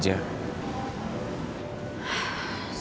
gue harus ngasih tau